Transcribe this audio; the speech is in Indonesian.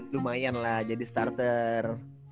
lumayan lah jadi starter